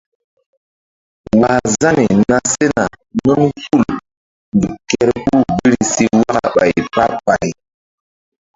̰wah Zani na sena nun hul nzuk kerpuh biri si waka ɓay pah pay.